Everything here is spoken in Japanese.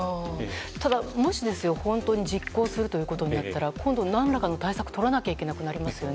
ただもし実行することになったら何らかの対策を取らないといけなくなりますよね。